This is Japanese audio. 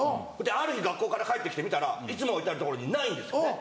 ある日学校から帰って来て見たらいつも置いてある所にないんですよね。